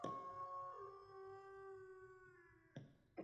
Qiynalib o‘rmalar — o‘limdan so‘ng ham